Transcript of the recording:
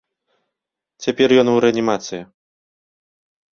Цяпер ён у рэанімацыі.